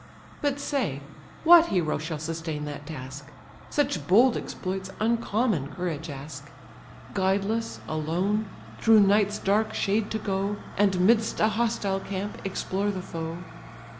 But say, what hero shall sustain that task? Such bold exploits uncommon courage ask; Guideless, alone, through night's dark shade to go, And midst a hostile camp explore the foe."